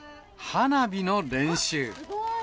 花火の練習。